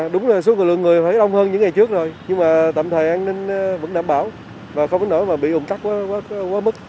đúng là số lượng người phải đông hơn những ngày trước rồi nhưng mà tạm thời an ninh vẫn đảm bảo và không thể nổi mà bị ủn tắc quá mức